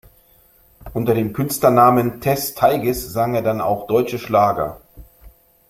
Unter dem Künstlernamen Tess Teiges sang er dann auch deutsche Schlager.